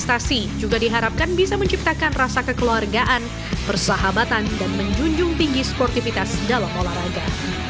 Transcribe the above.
investasi juga diharapkan bisa menciptakan rasa kekeluargaan persahabatan dan menjunjung tinggi sportivitas dalam olahraga